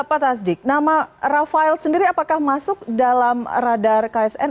pak tasdik nama rafael sendiri apakah masuk dalam radar ksn